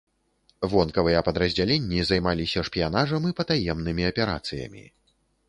Вонкавыя падраздзяленні займаліся шпіянажам і патаемнымі аперацыямі.